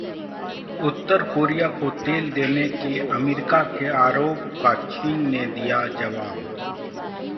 उत्तर Korea को तेल देने के अमेरिका के आरोप का चीन ने दिया जवाब